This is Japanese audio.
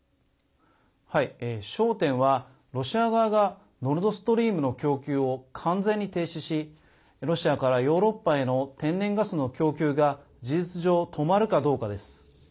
焦点は、ロシア側がノルドストリームの供給を完全に停止しロシアからヨーロッパへの天然ガスの供給が事実上、止まるかどうかです。